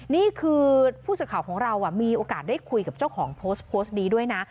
นี่คือผู้สื่อข่าวของเรามีโอกาสได้คุยกับเจ้าของโพสต์โพสต์นี้ด้วยนะ